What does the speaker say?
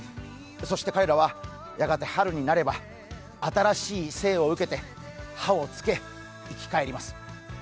そして彼らはやがて春になれば新しい生を受けて葉をつけ、生き返ります。